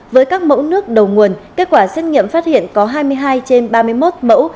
với các mẫu nước đầu nguồn kết quả xét nghiệm phát hiện có hai mươi hai trên ba mươi một mẫu